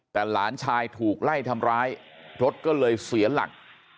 แต่หลานชายถูกไล่ทำร้ายรถก็เลยเสียหลัก